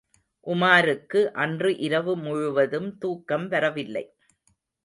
உமாருக்கு அன்று இரவு முழுவதும் தூக்கம் வரவில்லை.